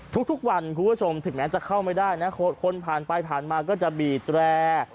ทุกวันคุณผู้ชมถึงแม้จะเข้าไม่ได้นะคนผ่านไปผ่านมาก็จะบีดแร่